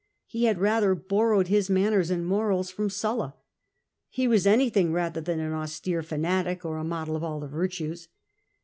He had rather borrowed his manners and morals from Sulla. He was anything rather than an austere fanatic or a model of all the virtues.